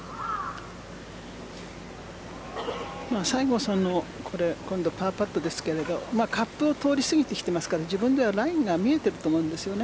西郷さんの今度パーパットですがカップを通り過ぎていますから自分ではラインが見えてると思うんです。